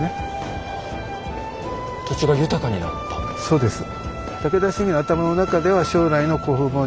そうです。